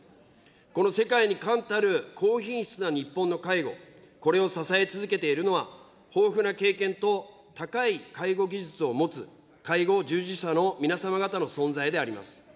この世界に冠たる高品質な日本の介護、これを支え続けているのは、豊富な経験と、高い介護技術を持つ介護従事者の皆様方の存在であります。